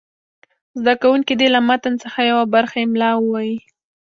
زده کوونکي دې له متن څخه یوه برخه املا ووایي.